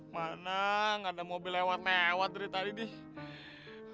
mana gak ada mobil lewat lewat dari tadi nih